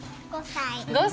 ５歳。